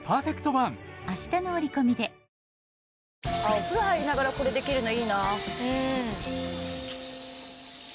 お風呂入りながらこれできるのいいな。